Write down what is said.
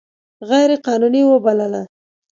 غیر قانوني وبلله.